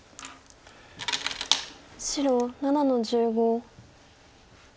白７の十五。